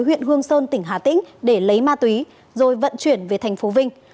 huyện hương sơn tỉnh hà tĩnh để lấy ma túy rồi vận chuyển về tp vinh